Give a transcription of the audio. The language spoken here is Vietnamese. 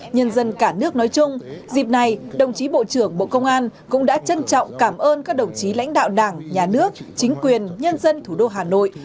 nhân dân cả nước nói chung dịp này đồng chí bộ trưởng bộ công an cũng đã trân trọng cảm ơn các đồng chí lãnh đạo đảng nhà nước chính quyền nhân dân thủ đô hà nội